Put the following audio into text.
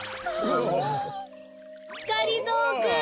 がりぞーくん。